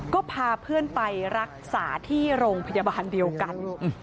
ก็พาเพื่อนไปรักษาที่โรงพยาบาลเดียวกัน